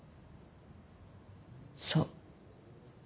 そう。